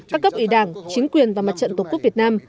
các cấp ủy đảng chính quyền và mặt trận tổ quốc việt nam